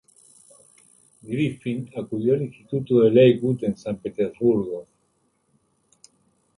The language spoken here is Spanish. Griffin acudió al instituto de Lakewood en San Petersburgo.